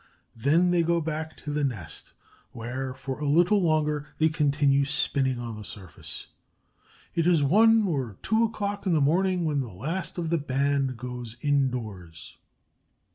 Then they go back to the nest, where, for a little longer, they continue spinning on the surface. It is one or two o'clock in the morning when the last of the band goes indoors.